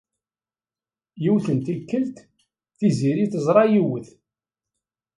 Yiwet n tikkelt, Tiziri teẓra yiwet.